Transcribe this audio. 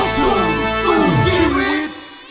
โปรโมชั่นเฟิร์ม